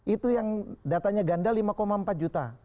itu yang datanya ganda lima empat juta